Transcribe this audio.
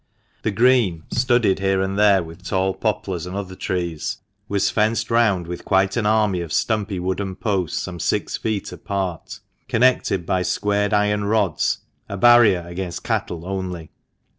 The Green, studded here and there with tall poplars and other trees, was fenced round with quite an army of stumpy wooden posts some six feet apart, connected by squared iron rods, a barrier against cattle cnly.